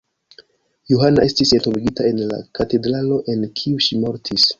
Johana estis entombigita en la katedralo, en kiu ŝi mortis.